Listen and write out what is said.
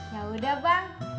ya udah bang